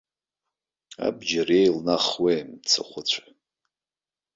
Абџьар еилнахуеи, мцахәыцәа.